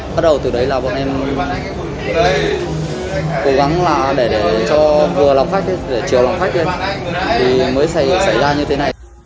bắt đầu từ đấy là bọn em cố gắng là để cho vừa lòng khách để chiều lòng khách lên thì mới xảy ra như thế này